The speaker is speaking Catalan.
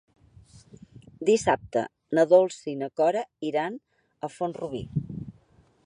Dissabte na Dolça i na Cora iran a Font-rubí.